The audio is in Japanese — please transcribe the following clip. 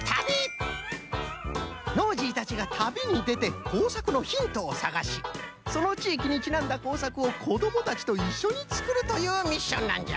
ノージーたちが旅にでて工作のヒントを探しその地域にちなんだ工作を子どもたちといっしょにつくるというミッションなんじゃ。